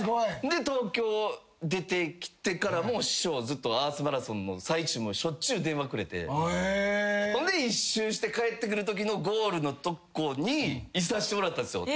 で東京出てきてからも師匠はずっとアースマラソンの最中もしょっちゅう電話くれてそんで１周して帰ってくるときのゴールのとこにいさせてもらったんですよ。